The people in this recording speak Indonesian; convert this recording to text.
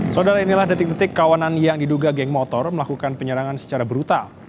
saudara inilah detik detik kawanan yang diduga geng motor melakukan penyerangan secara brutal